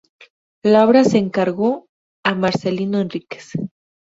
La obra se encargó a Marcelino Enríquez.